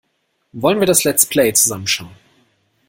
Wollen wir das Let's Play zusammen schauen?